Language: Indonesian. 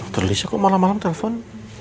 dokter lisa kok malam malam telepon